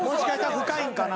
深いのかな？